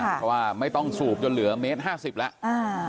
เพราะว่าไม่ต้องสูบจนเหลือเมตร๕๐แล้ว